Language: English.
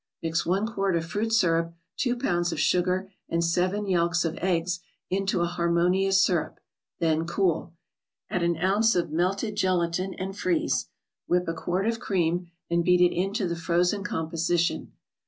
Mix one quart of fruit syrup, two pounds of sugar, and seven yelks of eggs into a harmon¬ ious syrup ; then cool. Add an ounce of melted gelatine, and freeze. Whip a quart of cream, and beat it into the frozen composition.